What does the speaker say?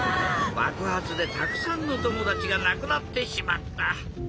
ばくはつでたくさんのともだちがなくなってしまった。